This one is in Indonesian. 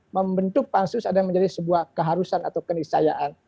membentuk pansus adalah sebuah keharusan atau kenisayaan